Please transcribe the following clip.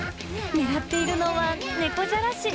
狙っているのは猫じゃらし。